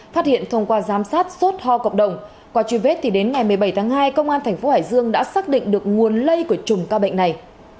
phát hiện thông qua giám sát sốt ho cộng đồng qua truy vết thì đến ngày một mươi bảy tháng hai công an tp hải dương đã xác định được nguồn lây của chùm ca bệnh này